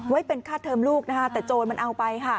ไว้เป็นค่าเทิมลูกแต่โจรมันเอาไป